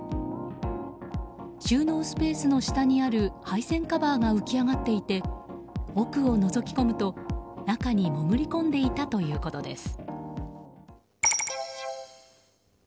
収納スペースの下にある配線カバーが浮き上がっていて奥をのぞき込むと中にもぐり込んでいたということです。